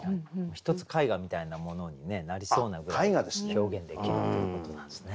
一つ絵画みたいなものになりそうなぐらい表現できるっていうことなんですね。